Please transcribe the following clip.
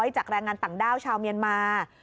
จากแรงงานต่างด้าวชาวเมียนมา